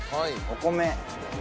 お米。